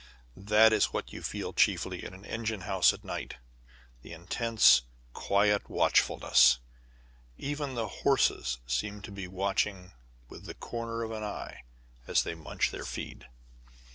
That is what you feel chiefly in an engine house at night the intense, quiet watchfulness. Even the horses seem to be watching with the corner of an eye as they munch their feed.